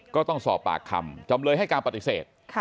ก็ต้องสอบปากคำจำเลยให้การปฏิเสธ